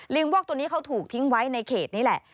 วอกตัวนี้เขาถูกทิ้งไว้ในเขตนี่แหละ